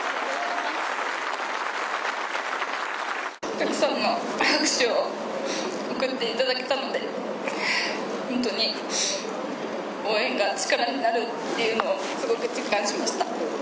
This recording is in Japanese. たくさんの拍手を送っていただけたので本当に応援が力になるというのをすごく実感しました。